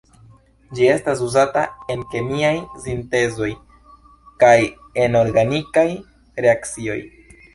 Ĝi estas uzata en kemiaj sintezoj kaj en organikaj reakcioj.